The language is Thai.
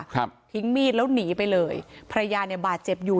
ครับทิ้งมีดแล้วหนีไปเลยภรรยาเนี่ยบาดเจ็บอยู่